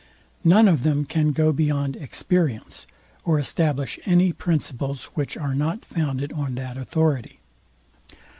None of them can go beyond experience, or establish any principles which are not founded on that authority.